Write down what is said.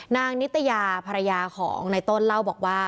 นิตยาภรรยาของในต้นเล่าบอกว่า